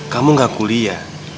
kamu gak kuliah